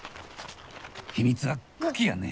秘密は茎やね！